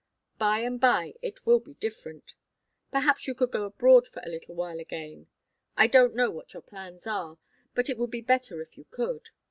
By and by it will be different. Perhaps you could go abroad for a little while again. I don't know what your plans are, but it would be better if you could.